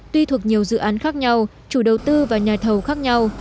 tuy thuộc nhiều dự án khác nhau chủ đầu tư và nhà thầu khác nhau